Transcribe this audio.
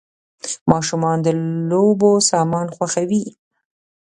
ماشومان د لوبو سامان خوښوي .